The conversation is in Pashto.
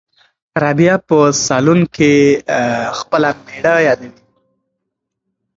رابعه په صالون کې خپله مېړه یادوي.